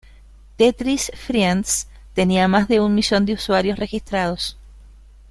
Tetris Friends tenia más de un millón de usuarios registrados.